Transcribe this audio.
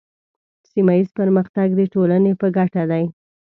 سیمه ایز پرمختګ د ټولنې په ګټه دی.